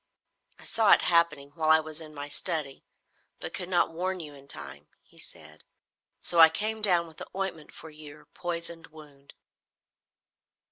"I saw it happening while I was in my study, but could not warn you in time," he said. "So I came down with the ointment for your poisoned wound."